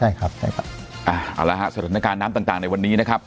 ใช่ครับใช่ครับอ่าเอาละฮะสถานการณ์น้ำต่างต่างในวันนี้นะครับ